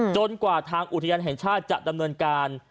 กว่าทางอุทยานแห่งชาติจะดำเนินการ